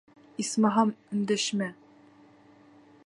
Исмаһам, өндәшмә!